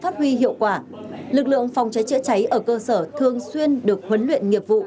như hiệu quả lực lượng phòng cháy chữa cháy ở cơ sở thường xuyên được huấn luyện nghiệp vụ